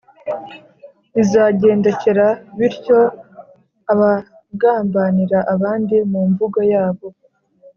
Bizagendekera bityo abagambanira abandi mu mvugo yabo,